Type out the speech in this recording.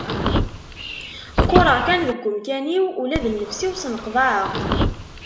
Qqureɣ kan deg umkan-iw ula d nnefs-iw sneqḍaɛeɣ-t.